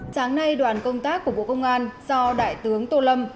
sáng nay đoàn công tác của bộ công an do đại tướng tô lâm